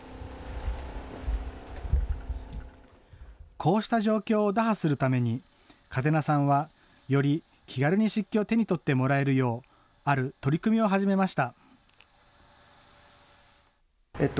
こうした状況を打破するために、嘉手納さんはより気軽に漆器を手に取ってもらえるよう、ある取り組みを始めました。